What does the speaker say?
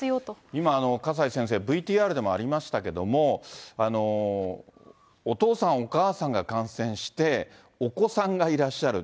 今、笠井先生、ＶＴＲでもありましたけれども、お父さん、お母さんが感染して、お子さんがいらっしゃる。